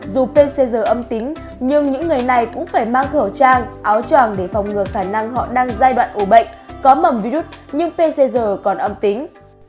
dù pcr âm tính nhưng những người này cũng phải mang khẩu trang áo tràng để phòng ngừa khả năng họ đang giai đoạn ủ bệnh có mầm virus nhưng pcr còn âm tính